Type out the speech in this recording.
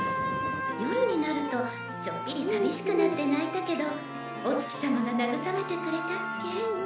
夜になるとちょっぴり寂しくなって泣いたけどお月様が慰めてくれたっけ。